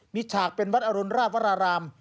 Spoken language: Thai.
มีฉากเป็นวัดอรุณราชวราราม